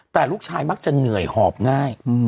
แต่ลูกชายมักจะเหนื่อยหอบง่าย